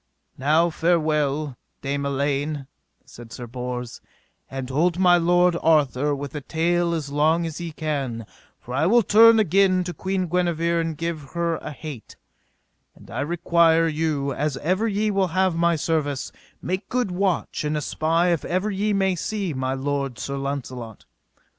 Now farewell, Dame Elaine, said Sir Bors, and hold my lord Arthur with a tale as long as ye can, for I will turn again to Queen Guenever and give her a hete; and I require you, as ever ye will have my service, make good watch and espy if ever ye may see my lord Sir Launcelot.